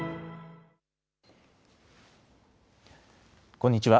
こんにちは。